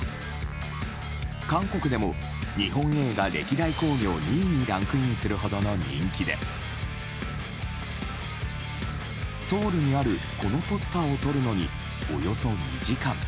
韓国でも日本映画歴代興行２位にランクインするほどの人気でソウルにあるこのポスターを撮るのに、およそ２時間。